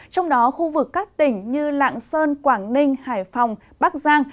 trong đó khu vực các tỉnh như lạng sơn quảng ninh hải phòng bắc giang